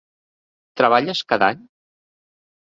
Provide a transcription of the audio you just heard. Treballes cada any?